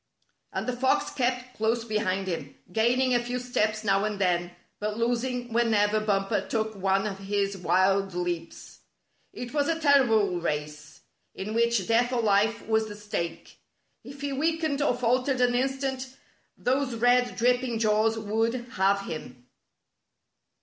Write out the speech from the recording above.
And the fox kept close behind him, gaining a few steps now and then, but losing whenever Bumper took one of his wild leaps. It was a terrible race, in which death or life was the stake. If he weakened or faltered an instant, those red, dripping jaws would have him.